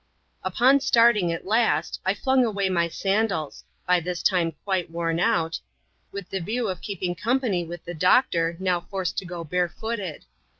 Upon starting, at last, I flung away mj sandals — by thiatime qiiite worn out — with the view of keqping oompanj with ^ doctor, now forced to go barefooted.